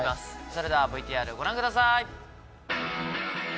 それではＶＴＲご覧ください。